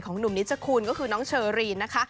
หนุ่มนิชคูณก็คือน้องเชอรีนนะคะ